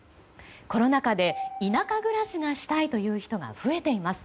コロナ禍で田舎暮らしがしたいという人が増えています。